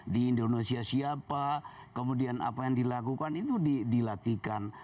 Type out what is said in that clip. di indonesia siapa kemudian apa yang dilakukan itu dilatihkan